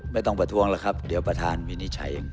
ไม่ต้องประทรวงเล่าครับเดี๋ยวประธานมินิไชยัง